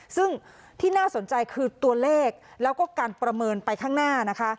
ซึ่งที่น่าสนใจคือตัวเลขแล้วก็การประเมินไปข้างหน้านะคะ